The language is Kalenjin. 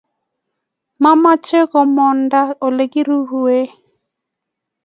Mamache komangu end olegiruen